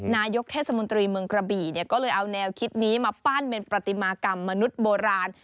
นายกเทศมนตรีเมืองกระบี่ก็เลยเอาแนวคิดนี้มาปั้นเป็นปฏิมากรรมมนุษย์โบราณ